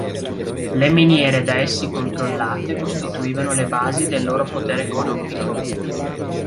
Le miniere da essi controllate costituivano le basi del loro potere economico.